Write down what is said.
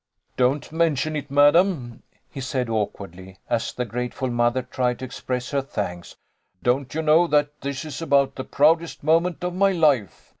"Don't mention it, madam," he said, awkwardly, as the grateful mother tried to express her thanks. "Don't you know that this is about the proudest moment of my life